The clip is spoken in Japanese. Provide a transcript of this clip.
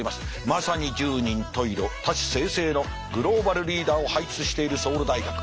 まさに十人十色多士済々のグローバルリーダーを輩出しているソウル大学。